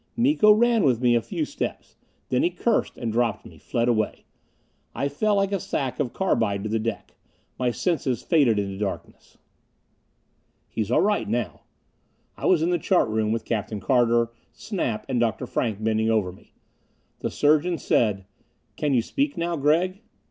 Miko ran with me a few steps. Then he cursed and dropped me, fled away. I fell like a sack of carbide to the deck. My senses faded into blackness.... "He's all right now." I was in the chart room, with Captain Carter, Snap and Dr. Frank bending over me. The surgeon said, "Can you speak now, Gregg?"